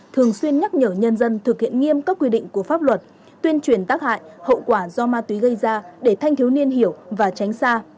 thường xuyên nhắc nhở nhân dân thực hiện nghiêm các quy định của pháp luật tuyên truyền tác hại hậu quả do ma túy gây ra để thanh thiếu niên hiểu và tránh xa